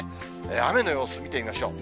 雨の様子、見てみましょう。